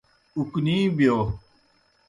اُکنی بِیو۔